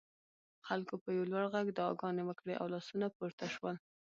خلکو په یو لوړ غږ دعاګانې وکړې او لاسونه پورته شول.